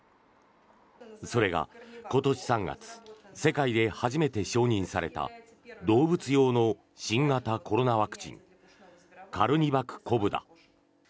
それが今年３月世界で初めて承認された動物用の新型コロナワクチンカルニバク・コブだ。